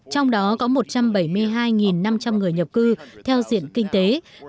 trong đó có một trăm bảy mươi hai năm trăm linh người nhập cư theo diện kinh tế